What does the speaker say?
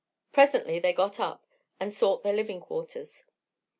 Presently they got up and sought their living quarters.